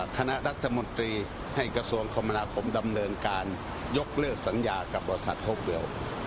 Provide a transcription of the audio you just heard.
คณะรัฐมนตรีให้กระทรวงคมนาคมดำเนินการยกเลิกสัญญากับบริษัทโฮกเบล